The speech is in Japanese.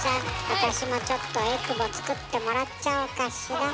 私もちょっとえくぼつくってもらっちゃおうかしら。